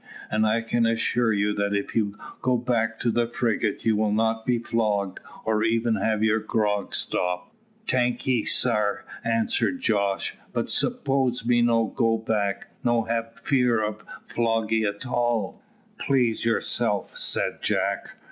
"And I can assure you, that if you go back to the frigate, you will not be flogged, or even have your grog stopped." "Tankee, sare," answered Jos. "But spose me no go back, no hab fear of floggie at all." "Please yourself," said Jack.